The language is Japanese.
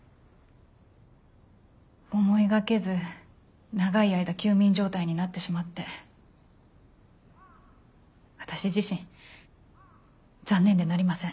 思いがけず長い間休眠状態になってしまって私自身残念でなりません。